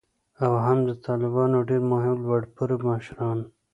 او هم د طالبانو ډیر مهم لوړ پوړي مشران